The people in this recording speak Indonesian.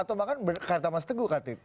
atau bahkan berkata mas teguh katanya